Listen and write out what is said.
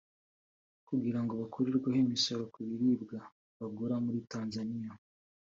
kugira ngo bakurirweho imisoro ku biribwa bagura muri Tanzania